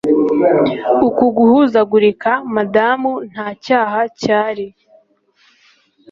uku guhuzagurika, madamu, nta cyaha cyari